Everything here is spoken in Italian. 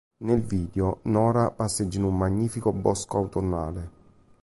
Nel video Norah passeggia in un magnifico bosco autunnale.